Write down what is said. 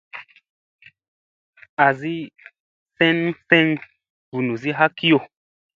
Azi seŋ vunuzi ha kiyo.